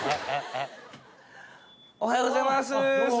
おはようございます！